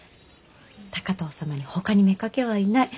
高藤様にほかに妾はいない。